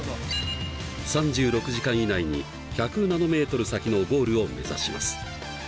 ３６時間以内に１００ナノメートル先のゴールを目指します。